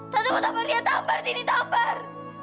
tanda mau tampar dia tampar sini tampar